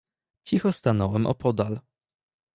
"Cicho stanąłem opodal."